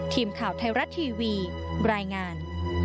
ทีมข่าวไทยรัฐทีวีรายงาน